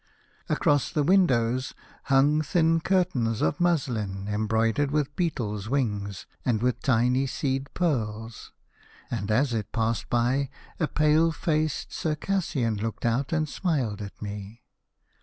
Across the windows hung thin curtains of muslin embroidered with beetles' wings and with tiny seed pearls, and as it passed by a pale faced Circassian looked out and smiled at me.